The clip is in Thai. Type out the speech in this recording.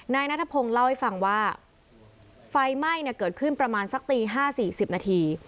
นายนัทพงศ์เล่าให้ฟังว่าไฟไหม้เนี่ยเกิดขึ้นประมาณสักตี๕๔๐นาที